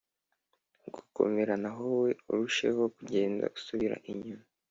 Gukomera naho wowe urusheho kugenda usubira inyuma